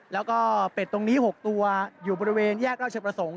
แล้วก็เป็ดตรงนี้๖ตัวอยู่บริเวณแยกราชประสงค์